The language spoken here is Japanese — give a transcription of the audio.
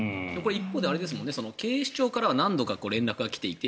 一方で、警視庁からは何度か連絡が来ていて。